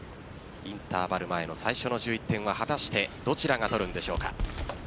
インターバル前の最初の１１点は果たしてどちらが取るんでしょうか。